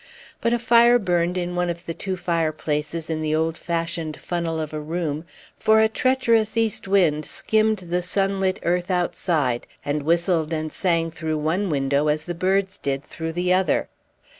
But a fire burned in one of the two fireplaces in the old fashioned funnel of a room, for a treacherous east wind skimmed the sunlit earth outside, and whistled and sang through one window as the birds did through the other.